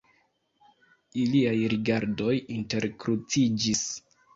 Iliaj rigardoj interkruciĝis.